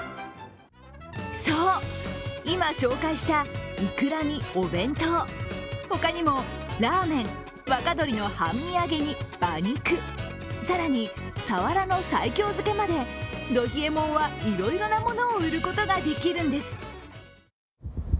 そう、今紹介したイクラにお弁当、他にもラーメン、若鶏の半身揚げに馬肉、更にサワラの西京漬けまでど冷えもんはいろいろなものを売ることができるんです。